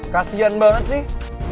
kasian banget sih